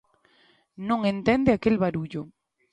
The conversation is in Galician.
Non entende aquel barullo.